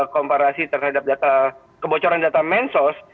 komparasi terhadap kebocoran data mensos